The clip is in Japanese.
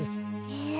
へえ。